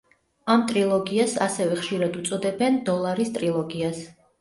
ამ ტრილოგიას ასევე ხშირად უწოდებენ „დოლარის ტრილოგიას“.